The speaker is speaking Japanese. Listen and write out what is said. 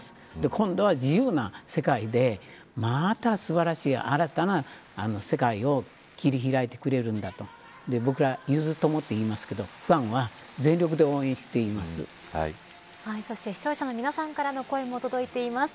今度は自由な世界でまた素晴らしい、新たな世界を切り開いてくれるんだと僕は、ゆづともといいますけどファンは全力で応援そして視聴者の皆さんからの声も届いています。